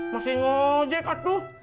masih ngojek atuh